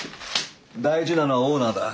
大事なのはオーナーだ。